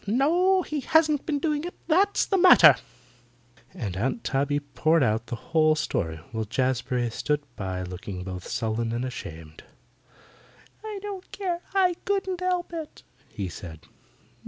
"No, he hasn't been doing it, that's the matter," and Aunt Tabby poured out the whole story, while Jazbury stood by looking both sullen and ashamed. "I don't care; I couldn't help it," he said.